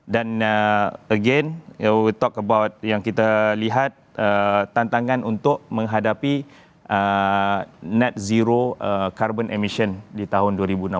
dan lagi kita akan bicara tentang yang kita lihat tantangan untuk menghadapi net zero carbon emission di tahun dua ribu enam puluh